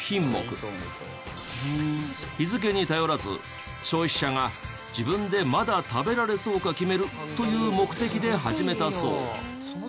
日付に頼らず消費者が自分でまだ食べられそうか決めるという目的で始めたそう。